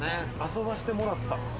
遊ばしてもらった。